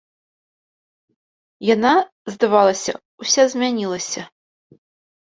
Яна, здавалася, уся змянілася.